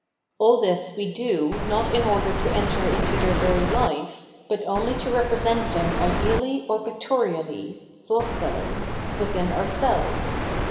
AU this we do, not in order to enter into their very hfe, but only to represent them ideaUy or pic toriaUy {vorstellen) within ourselves.